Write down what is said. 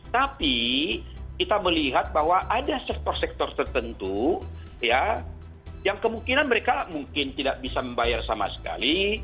tapi kita melihat bahwa ada sektor sektor tertentu ya yang kemungkinan mereka mungkin tidak bisa membayar sama sekali